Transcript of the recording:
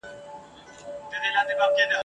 پیالې راتللای تر خړوبه خو چي نه تېرېدای ..